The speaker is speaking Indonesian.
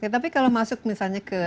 tapi kalau masuk misalnya ke